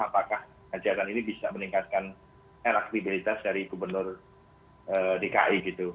apakah hajatan ini bisa meningkatkan elektibilitas dari gubernur dki gitu